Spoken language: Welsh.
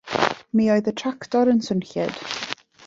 Mi oedd y tractor yn swnllyd.